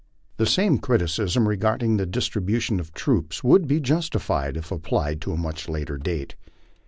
The same criticism regarding the distribution of troops would be just if applied to a much later date.